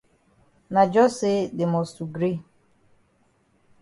Na jus say dey must to gree.